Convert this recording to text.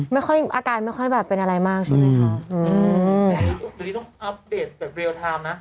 ไม่ค่อยอาการไม่ค่อยแบบเป็นอะไรมากใช่มั้ยคะ